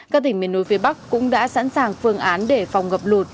các tỉnh miền núi phía bắc cũng đã sẵn sàng phương án để phòng ngập lụt